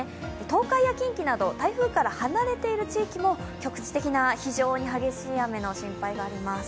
東海や近畿など台風から離れている地域も局地的な非常に激しい雨の心配があります。